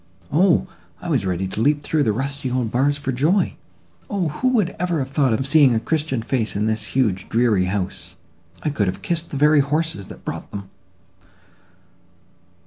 O! I was ready to leap through the rusty old bars for joy!—O! who would ever have thought of seeing a christian face in this huge dreary house? I could have kissed the very horses that brought them."